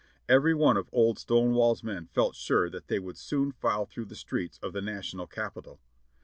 Every one of Old Stonewall's men felt sure that they would soon file through the streets of the Na tional Capital.